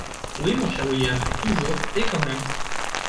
Oui, mon cher William, toujours et quand même!